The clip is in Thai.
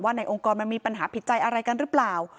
ในองค์กรมันมีปัญหาผิดใจอะไรกันหรือเปล่า